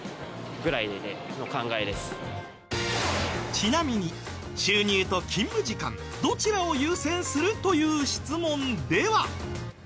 ちなみに「収入と勤務時間どちらを優先する？」という質問では。